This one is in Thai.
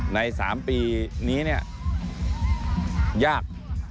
ใน๓ปีนี้เนี่ยยาก